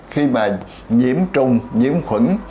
khi mà nhiễm trùng nhiễm khuẩn